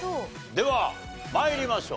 では参りましょう。